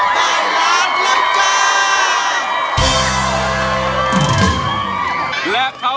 ล้อมได้ให้ร้าน